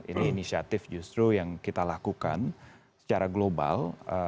ini inisiatif justru yang kita lakukan secara global